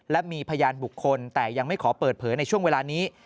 และมีพยานบุคคลแต่ยังไม่ขอเปิดเผยในช่วงเวลานี้